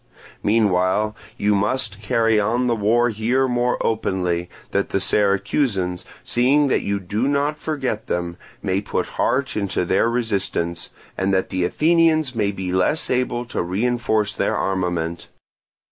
Meanwhile you must carry on the war here more openly, that the Syracusans, seeing that you do not forget them, may put heart into their resistance, and that the Athenians may be less able to reinforce their armament.